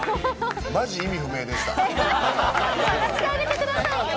マジ、意味不明でした。